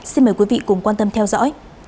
xin mời quý vị cùng quan tâm theo dõi